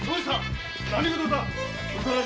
何事だ？